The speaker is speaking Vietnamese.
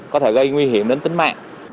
có thể gây nguy hiểm đến tính mạng